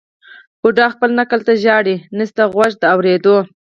بوډا خپل نکل ته ژاړي نسته غوږ د اورېدلو